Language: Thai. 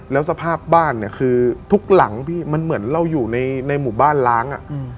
แล้วสภาพบ้านเนี่ยคือทุกหลังพี่มันเหมือนเราอยู่ในหมู่บ้านล้าง